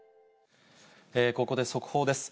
ここで速報です。